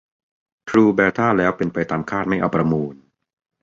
ทรูแบท่าแล้วเป็นไปตามคาดไม่เอาประมูล